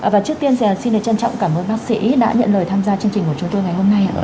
và trước tiên xin được trân trọng cảm ơn bác sĩ đã nhận lời tham gia chương trình của chúng tôi ngày hôm nay